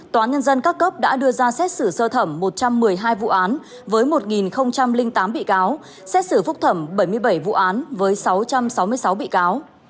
tòa nhân dân các cấp đã đưa ra xét xử sơ thẩm một trăm một mươi hai vụ án với một tám bị cáo xét xử phúc thẩm bảy mươi bảy vụ án với sáu trăm sáu mươi sáu bị cáo